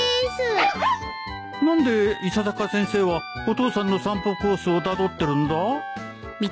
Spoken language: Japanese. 何で伊佐坂先生はお父さんの散歩コースをたどってるんだ？